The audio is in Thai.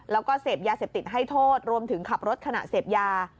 แล้วก็เสพยาเสพติดให้โทษรวมถึงขับรถขณะเสพยา